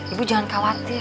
ibu jangan khawatir